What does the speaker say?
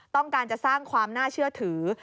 ต้องการจะสร้างความน่าเชื่อถือ